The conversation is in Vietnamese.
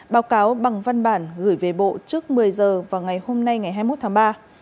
báo cáo bằng văn bản gửi về bộ trước một mươi giờ vào ngày hôm nay ngày hai mươi một tháng ba